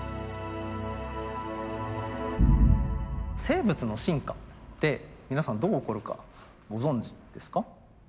生物の進化って皆さんどう起こるかご存じですか？